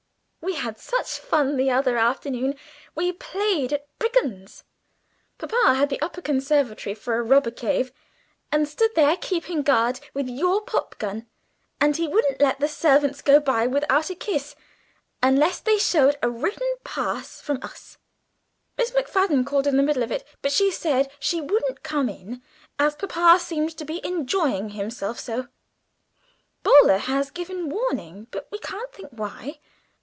"We had such fun the other afternoon; we played at brigands papa and all of us. Papa had the upper conservatory for a robber cave, and stood there keeping guard with your pop gun; and he wouldn't let the servants go by without a kiss, unless they showed a written pass from us! Miss McFadden called in the middle of it, but she said she wouldn't come in, as papa seemed to be enjoying himself so. Boaler has given warning, but we can't think why.